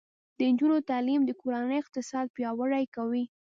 د نجونو تعلیم د کورنۍ اقتصاد پیاوړی کوي.